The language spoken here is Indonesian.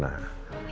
ya ampun serem banget